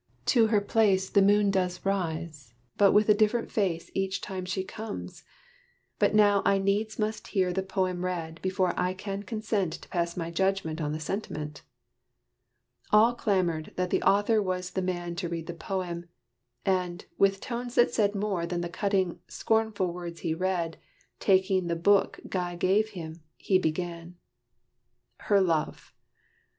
To her place The moon does rise but with a different face Each time she comes. But now I needs must hear The poem read, before I can consent To pass my judgment on the sentiment." All clamored that the author was the man To read the poem: and, with tones that said More than the cutting, scornful words he read, Taking the book Guy gave him, he began: HER LOVE.